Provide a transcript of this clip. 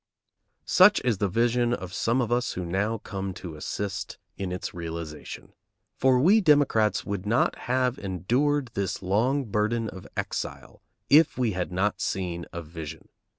Such is the vision of some of us who now come to assist in its realization. For we Democrats would not have endured this long burden of exile if we had not seen a vision.